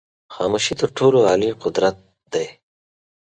خاموشی تر ټولو عالي قدرت دی.